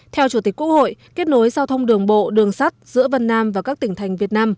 theo chủ tịch quốc hội kết nối giao thông đường bộ đường sắt giữa vân nam và các tỉnh thành việt nam